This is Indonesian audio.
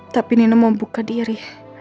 tapi nino membuka diri